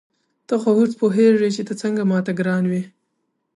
ته خو اوس پوهېږې چې ته څنګه ما ته ګران وې.